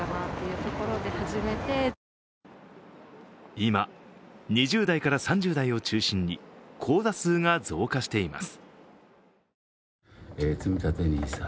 今、２０代から３０代を中心に口座数が増加しています。